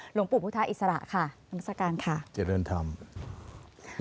หลวงปู่พุทธอิสระค่ะเจริญธรรมนังสรรค์ค่ะ